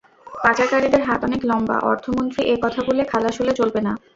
পাচারকারীদের হাত অনেক লম্বা অর্থমন্ত্রী এ কথা বলে খালাস হলে চলবে না।